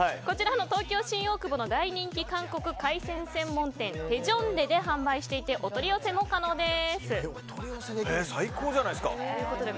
東京・新大久保の大人気海鮮専門店テジョンデで販売していてお取り寄せも可能です。